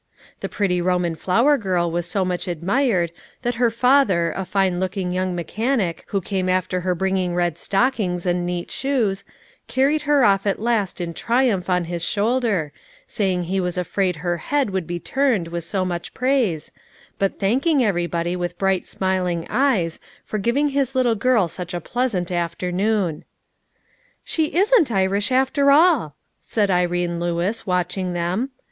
The pretty Roman flower girl was so much admired, that her father, a fine looking young mechanic who came after her bringing red stock ings and neat shoes, carried her off at last in tri umph on his shoulder, saying he was afraid her head would be turned with so much praise, but thanking everybody with bright smiling eyes for giving his little girl such a pleasant afternoon. " She isn't Irish, after all," said Irene Lewis, 320 "A SATISFACTORY EVENING. 321 watching them.